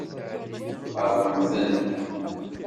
Feṛqen-ten.